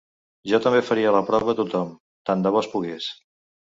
Jo també faria la prova a tothom, tant de bo es pogués.